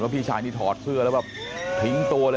พี่ชายนี่ถอดเสื้อแล้วแบบทิ้งตัวเลย